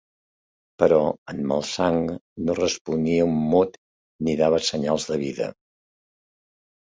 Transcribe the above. Però en Malsang no responia un mot ni dava senyals de vida.